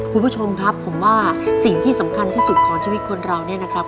คุณผู้ชมครับผมว่าสิ่งที่สำคัญที่สุดของชีวิตคนเราเนี่ยนะครับ